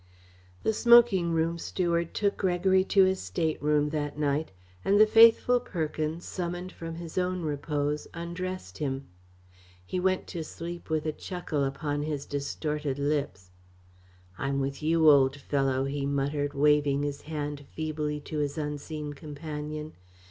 The smoking room steward took Gregory to his stateroom that night, and the faithful Perkins, summoned from his own repose, undressed him. He went to sleep with a chuckle upon his distorted lips. "I'm with you, old fellow," he muttered, waving his hand feebly to his unseen companion.